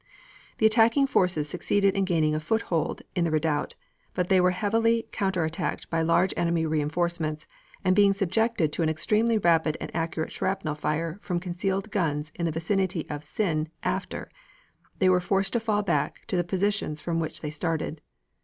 The attacking forces succeeded in gaining a foothold in the redoubt. But here they were heavily counter attacked by large enemy reinforcements, and being subjected to an extremely rapid and accurate shrapnel fire from concealed guns in the vicinity of Sinn After, they were forced to fall back to the position from which they started.